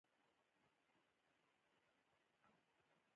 غیرت د زړه پاکوالی ښيي